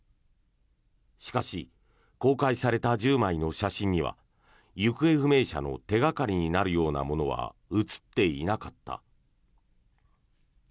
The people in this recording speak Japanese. しかし公開された１０枚の写真には行方不明者の手掛かりになるようなものは写っていなかった。